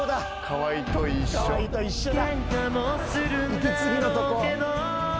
河合と一緒だ。